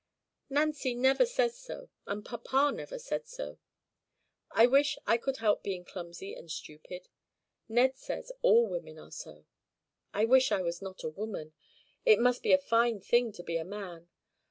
Nancy never says so and papa never said so. I wish I could help being clumsy and stupid. Ned says all women are so. I wish I was not a woman. It must be a fine thing to be a man.